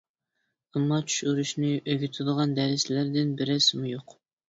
ئەمما چۈش ئۆرۈشنى ئۆگىتىدىغان دەرسلەردىن بىرەرسىمۇ يوق.